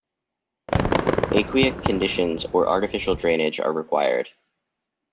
Aquic conditions or artificial drainage are required.